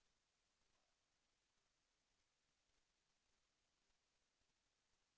แสวได้ไงของเราก็เชียนนักอยู่ค่ะเป็นผู้ร่วมงานที่ดีมาก